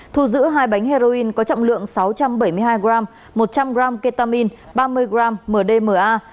thu giữ hai bánh heroin có trọng lượng sáu trăm bảy mươi hai g một trăm linh g ketamine ba mươi gram mdma